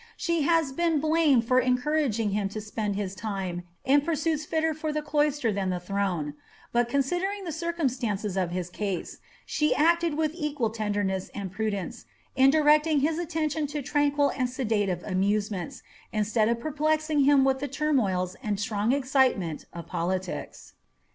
She has been blamed for encouraging him to spend his time, in pursuits fitter for the cloister than the throne ; but, considering the circumstances of his case^ she acted with et^'ual tenderness and prudence, in directing his attention to tranquil and sedative amusements, instead of perplexing him with the turmoils and strong excitement of politics.